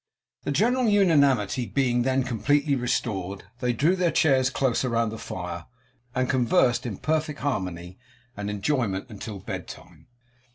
The general unanimity being then completely restored, they drew their chairs closer round the fire, and conversed in perfect harmony and enjoyment until bed time.